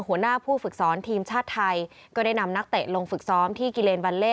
หัวหน้าผู้ฝึกสอนทีมชาติไทยก็ได้นำนักเตะลงฝึกซ้อมที่กิเลนบัลเล่